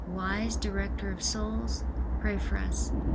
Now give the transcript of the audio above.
wise director of souls, pray for us.